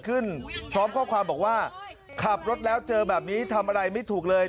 พร้อมข้อความบอกว่าขับรถแล้วเจอแบบนี้ทำอะไรไม่ถูกเลย